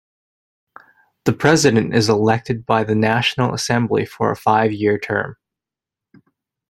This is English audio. The president is elected by the National Assembly for a five-year term.